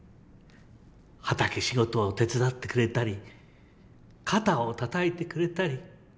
畑仕事を手伝ってくれたり肩をたたいてくれたり。